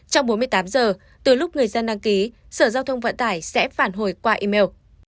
trong bốn mươi tám giờ từ lúc người dân đăng ký sở giao thông vận tải sẽ phản hồi qua email